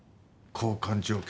交換条件